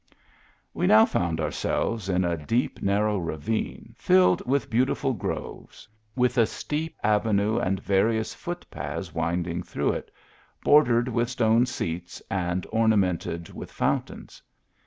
We now found ourselves in a deeg iarrow ravine, filled with beautiful groves, with a steep avenue and various foot paths winding through it, bordered with INTERIOR OF THE ALHAMBRA. 33 stone seats and ornamented with fountains.